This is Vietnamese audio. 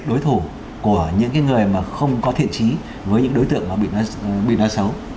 đối thủ của những người mà không có thiện trí với những đối tượng mà bị nói xấu